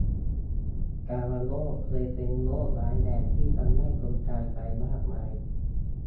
กาฬโรค เคยเป็นโรคร้ายแรงที่ทำให้คนตายไปมากมาย